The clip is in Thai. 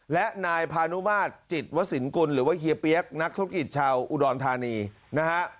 และนายพานุมาตรจิตวสินกุลหรือว่าเฮียเปี๊ยกนักธุรกิจชาวอุดรธานีนะฮะ